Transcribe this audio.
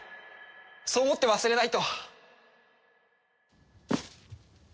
そう思って忘れないと。